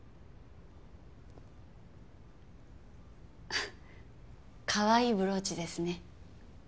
あっかわいいブローチですね。